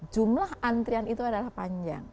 jumlah antrian itu adalah panjang